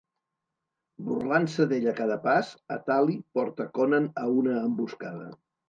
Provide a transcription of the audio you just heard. Burlant-se d'ell a cada pas, Atali porta Conan a una emboscada.